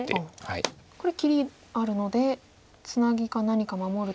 これ切りあるのでツナギか何か守ると。